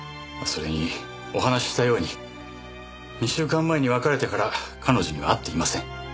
それにお話ししたように２週間前に別れてから彼女には会っていません。